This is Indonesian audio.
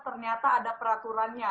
ternyata ada peraturannya